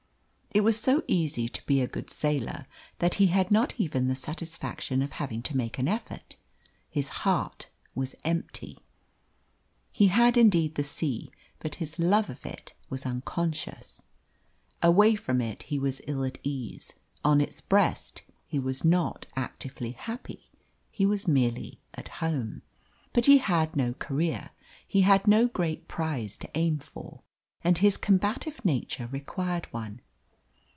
It was so easy to be a good sailor that he had not even the satisfaction of having to make an effort. His heart was empty. He had indeed the sea, but his love of it was unconscious. Away from it, he was ill at ease; on its breast, he was not actively happy he was merely at home. But he had no career. He had no great prize to aim for, and his combative nature required one.